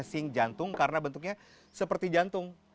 asing jantung karena bentuknya seperti jantung